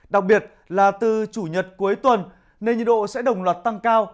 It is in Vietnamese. đặc biệt là từ chủ nhật cuối tuần nền nhiệt độ sẽ đồng loạt tăng cao